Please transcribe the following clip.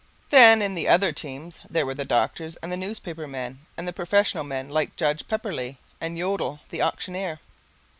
Then in the other teams there were the doctors and the newspaper men and the professional men like Judge Pepperleigh and Yodel the auctioneer.